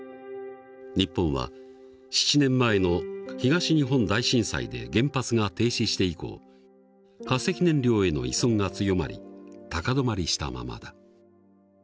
日本は７年前の東日本大震災で原発が停止して以降化石燃料への依存が強まり高止まりしたままだ。